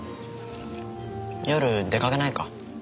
夜出かけないか？